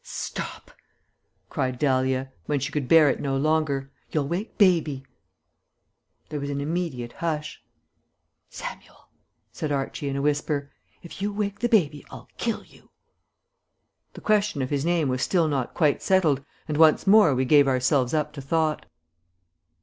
"Stop!" cried Dahlia, when she could bear it no longer; "you'll wake baby." There was an immediate hush. "Samuel," said Archie in a whisper, "if you wake the baby I'll kill you." The question of his name was still not quite settled, and once more we gave ourselves up to thought.